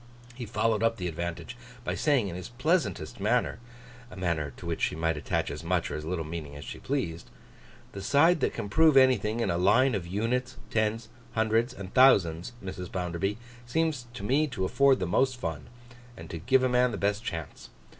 He followed up the advantage, by saying in his pleasantest manner: a manner to which she might attach as much or as little meaning as she pleased: 'The side that can prove anything in a line of units, tens, hundreds, and thousands, Mrs. Bounderby, seems to me to afford the most fun, and to give a man the best chance.